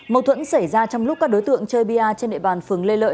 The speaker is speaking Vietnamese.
mâu thuẫn xảy ra trong lúc các đối tượng chơi bia trên địa bàn phường lê lợi